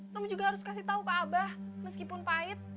rum juga harus kasih tau ke abah meskipun pahit